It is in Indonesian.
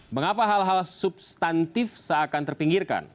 mengapa hal hal substantif seakan terpinggirkan